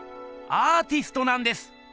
アーティストなんです！